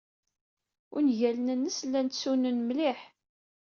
Ungalen-nnes llan tnusun mliḥ.